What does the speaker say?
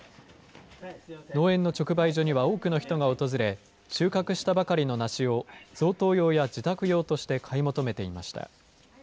農園の直売所には多くの人が訪れ、収穫したばかりの梨を、贈答用や自宅用として買い求めていました。